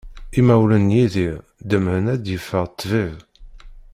Imawlan n Yidir ḍemεen ad d-iffeɣ d ṭṭbib.